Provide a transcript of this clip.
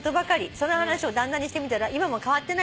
「その話を旦那にしてみたら今も変わってないとのこと」